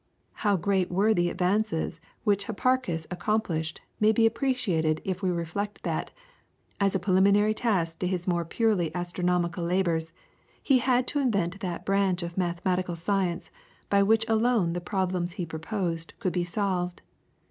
How great were the advances which Hipparchus accomplished may be appreciated if we reflect that, as a preliminary task to his more purely astronomical labours, he had to invent that branch of mathematical science by which alone the problems he proposed could be solved.